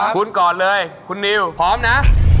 คุณก่อนเลยคุณนิวพร้อมนะ